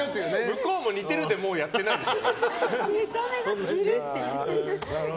向こうも似てるでもうやってないですから。